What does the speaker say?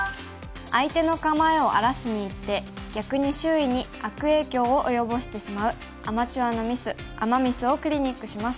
相手の構えを荒らしにいって逆に周囲に悪影響を及ぼしてしまうアマチュアのミスアマ・ミスをクリニックします。